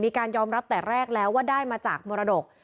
มีการยอมรับแต่แรกแล้วว่าได้มาจากมรดก